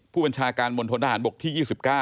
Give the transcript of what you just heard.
ผู้บัญชาการมณฑนทหารบกที่๒๙